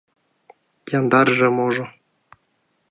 — Яндарже-можо...